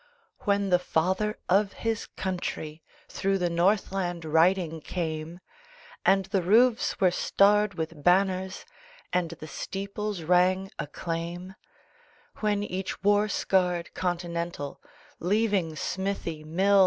When the Father of his Country Through the north land riding came And the roofs were starred with banners, And the steeples rang acclaim, When each war scarred Continental Leaving smithy, mill